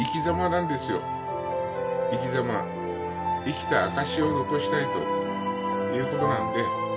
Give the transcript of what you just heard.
生きた証しを残したいということなので。